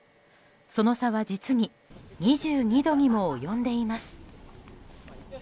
その差は実に、２２度にも及んでいます。